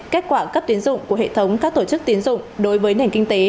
kết quả cấp tín dụng của hệ thống các tổ chức tín dụng đối với nền kinh tế